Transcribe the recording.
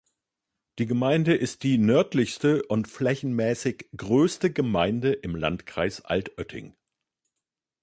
Die Gemeinde ist die nördlichste und flächenmäßig größte Gemeinde im Landkreis Altötting.